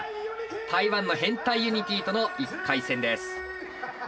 台湾のヘンタイ・ユニティーとの１回戦です。